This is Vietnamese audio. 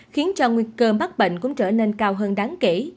khiến cho nguy cơ mắc bệnh cũng trở nên cao hơn đáng kể